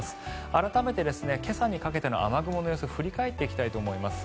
改めて今朝にかけての雨雲の様子を振り返っていきたいと思います。